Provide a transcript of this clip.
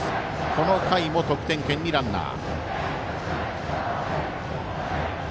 この回も得点圏にランナー。